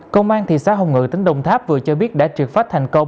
công an thị xã hồng ngự tỉnh đồng tháp vừa cho biết đã trượt phát thành công